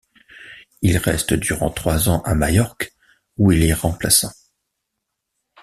Il reste durant trois ans à Majorque où il est remplaçant.